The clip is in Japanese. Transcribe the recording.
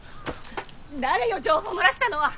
誰よ情報漏らしたのは！？